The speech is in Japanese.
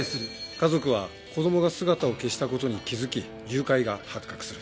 家族は子供が姿を消した事に気づき誘拐が発覚する。